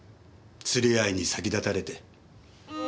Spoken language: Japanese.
連れ合いに先立たれて。